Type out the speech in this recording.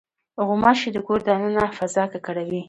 غوماشې د کور د دننه فضا ککړوي.